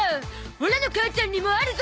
オラの母ちゃんにもあるゾ